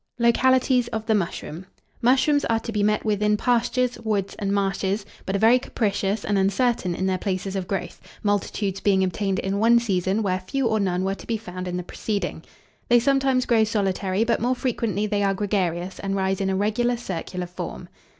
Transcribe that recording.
LOCALITIES OF THE MUSHROOM. Mushrooms are to be met with in pastures, woods, and marshes, but are very capricious and uncertain in their places of growth, multitudes being obtained in one season where few or none were to be found in the preceding. They sometimes grow solitary, but more frequently they are gregarious, and rise in a regular circular form.